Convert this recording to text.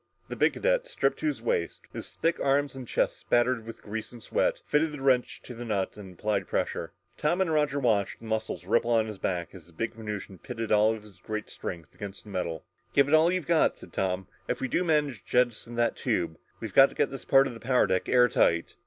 The big cadet, stripped to the waist, his thick arms and chest splattered with grease and sweat, fitted the wrench to the nut and applied pressure. Tom and Roger watched the muscles ripple along his back, as the big Venusian pitted all of his great strength against the metal. "Give it all you've got," said Tom. "If we do manage to jettison that tube, we've got to keep this part of the power deck airtight!"